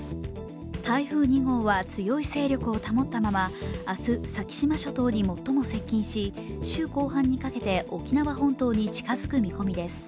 台風２号は強い勢力を保ったまま明日、先島諸島に最も接近し、週後半にかけて沖縄本島に近づく見込みです。